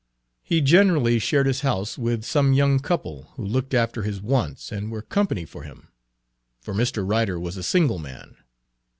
He generally shared his house with some young couple, who looked after his wants and were company for him; for Mr. Ryder was a single man.